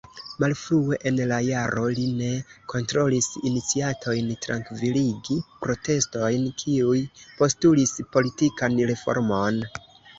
Malfrue en la jaro li ne kontrolis iniciatojn trankviligi protestojn kiuj postulis politikan reformon.